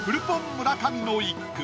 村上の一句